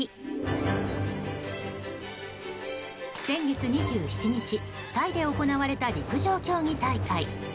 先月２７日タイで行われた陸上競技大会。